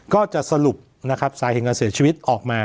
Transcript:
ก็จะสรุปสายเห็นการเสียชีวิตออกมา